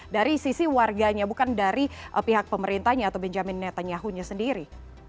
dari sisi warganya bukan dari pihak pemerintahnya atau benjamin netanyahunya sendiri